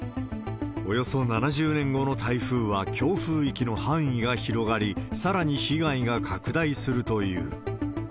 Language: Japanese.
およそ７０年後の台風は強風域の範囲が広がり、さらに被害が拡大するという。